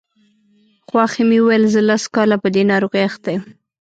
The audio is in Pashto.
خواښې مې وویل زه لس کاله په دې ناروغۍ اخته یم.